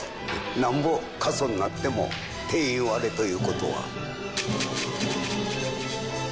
なんぼ過疎になっても定員割れということは。